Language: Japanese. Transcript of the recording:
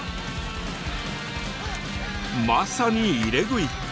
まさに入れ食い。